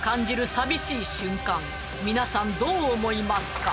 皆さんどう思いますか？